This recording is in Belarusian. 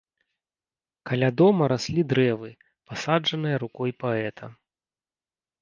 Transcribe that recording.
Каля дома раслі дрэвы, пасаджаныя рукой паэта.